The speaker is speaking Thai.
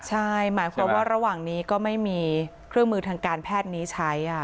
ใช่หมายความว่าระหว่างนี้ก็ไม่มีเครื่องมือทางการแพทย์นี้ใช้